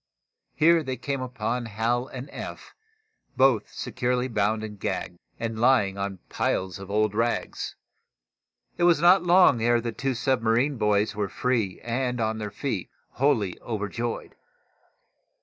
Here they came upon Hal and Eph, both securely bound and gagged, and lying on piles of old rags. It was not long ere the two submarine boys were free and on their feet, wholly overjoyed.